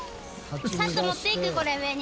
サッと持っていってこれ上に。